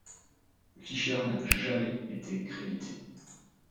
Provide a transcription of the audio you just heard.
Fisher n'a jamais été crédité.